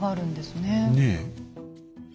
ねえ。